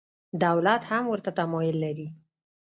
دولت هم ورته تمایل لري.